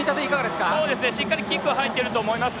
しっかりキックが入っていると思います。